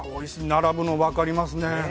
並ぶの分かりますね。